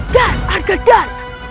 dan agar dan